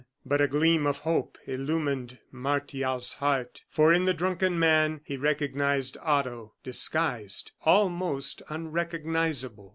But a gleam of hope illumined Martial's heart, for in the drunken man he recognized Otto disguised, almost unrecognizable.